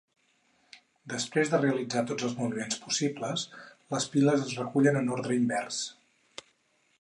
Després de realitzar tots els moviments possibles, les piles es recullen en ordre invers.